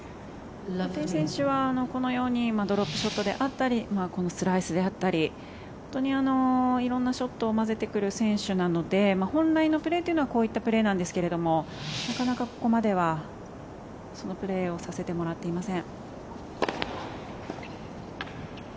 テイ選手はこのようにドロップショットであったりスライスであったり本当に色んなショットを混ぜてくる選手なので本来のプレーというのはこういったプレーなんですけどなかなかここまではそのプレーをさせてもらっていません。